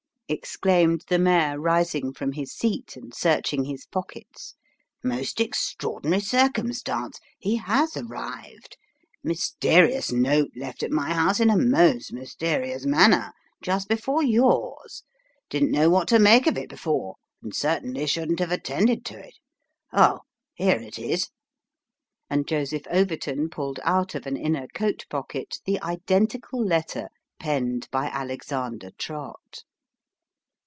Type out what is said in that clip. " exclaimed the mayor, rising from his seat, and search ing his pockets " most extraordinary circumstance he has arrived mysterious note left at my house in a most mysterious manner, just before yours didn't know what to make of it before, and certainly 312 Sketches by shouldn't have attended to it. Oh ! here it is." And Joseph Overton pulled out of an inner coat pocket the identical letter penned by Alexander Trott.